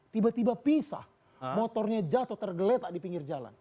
tiba tiba pisah motornya jatuh tergeletak di pinggir jalan